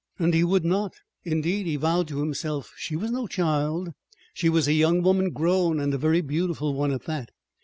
And he would not, indeed, he vowed to himself. She was no child. She was a young woman grown, and a very beautiful one, at that.